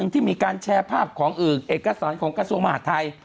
ที่มีการแชร์ภาพของเอกสารของกระทรวงมหาดไทย